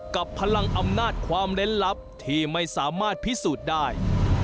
กับพลังอำนาจความเล่นลับที่ไม่สามารถพิสูจน์ได้